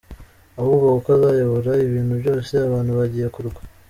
Ahubwo kuko azayobora ibintu byose abantu bagiye kurwa.